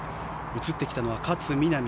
映ってきたのは勝みなみ。